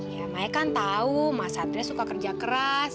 ya maya kan tahu mas satria suka kerja keras